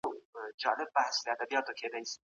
سوي، شکنجه سوي یا له خپل وطن څخه تښتېدلي